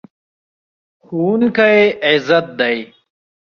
ښوونکی عزت دی.